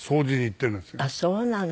あっそうなの。